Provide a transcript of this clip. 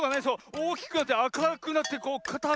おおきくなってあかくなってこうかたくなって。